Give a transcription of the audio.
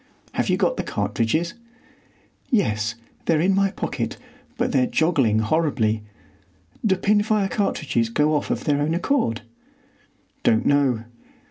"Have you got the cartridges?" "Yes; they're in my pocket, but they are joggling horribly. Do pin fire cartridges go off of their own accord?" "Don't know.